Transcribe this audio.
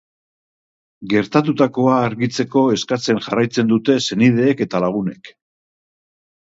Gertatutakoa argitzeko eskatzen jarraitzen dute senideek eta lagunek.